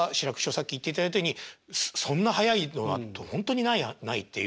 さっき言っていただいたようにそんな早いのほんとにないっていう。